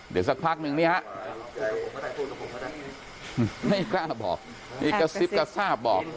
เดี๋ยวสักพักนึงนี่ฮะไม่กล้าบอกนี่กระซิบกระซาบบอก